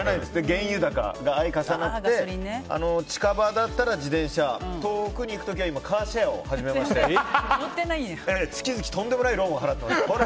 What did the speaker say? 原油高が相重なって近場だったら自転車遠くに行く時はカーシェアを始めまして月々とんでもないローンを払ってます。